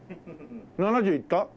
７０いった？